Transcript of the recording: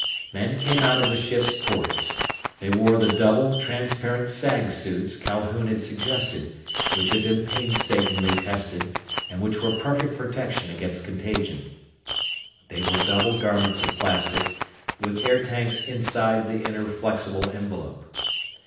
Men came out of the ship's ports. They wore the double, transparent sag suits Calhoun had suggested, which had been painstakingly tested, and which were perfect protection against contagion. They were double garments of plastic, with air tanks inside the inner flexible envelope.